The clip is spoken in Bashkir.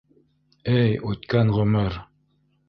Эй, үткән ғүмер!